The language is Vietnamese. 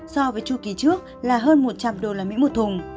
so với chu kỳ trước là hơn một trăm linh usd một thùng